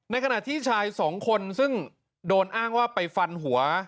ขณะที่ชายสองคนซึ่งโดนอ้างว่าไปฟันหัว